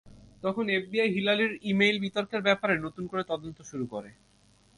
তখনই এফবিআই হিলারির ই-মেইল বিতর্কের ব্যাপারে নতুন করে তদন্ত শুরু করে।